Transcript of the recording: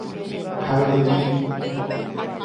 hayvi